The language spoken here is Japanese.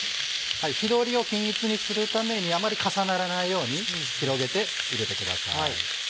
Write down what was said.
火通りを均一にするためにあまり重ならないように広げて入れてください。